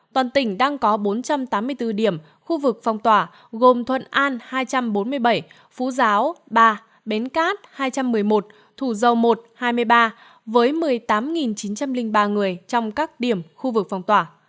toàn tỉnh đang có bốn trăm tám mươi bốn điểm khu vực phong tỏa gồm thuận an hai trăm bốn mươi bảy phú giáo ba bến cát hai trăm một mươi một thủ dầu một hai mươi ba với một mươi tám chín trăm linh ba người trong các điểm khu vực phong tỏa